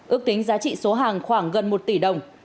ước tính giá trị số hàng khoảng gần một tỷ đồng